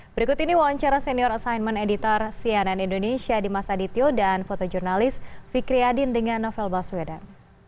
berikut ini wawancara senior assignment editor cnn indonesia dimas adityo dan fotojurnalis fikri adin dengan novel baswedan